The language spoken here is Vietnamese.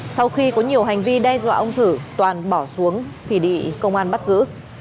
sau khi có nhiều hành vi đe dọa ông thử toàn bỏ xuống thủy đị công an bắt giữ